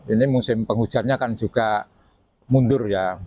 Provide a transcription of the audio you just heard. ini musim penghujannya kan juga mundur ya